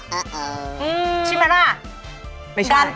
อือหรือใช่มั้ยล่ะไม่ใช่